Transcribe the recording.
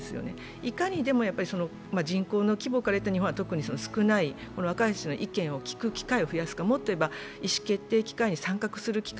いかに人口の規模から言うと日本は少ない、若い人の意見を聞く機会を増やす、もっといえば意思決定機関に参画するか。